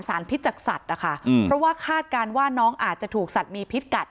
พิษจากสัตว์นะคะเพราะว่าคาดการณ์ว่าน้องอาจจะถูกสัตว์มีพิษกัด